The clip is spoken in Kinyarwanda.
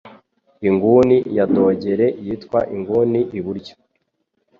Inguni ya dogere yitwa inguni iburyo.